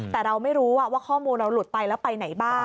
แต่เราไม่รู้ว่าข้อมูลเราหลุดไปแล้วไปไหนบ้าง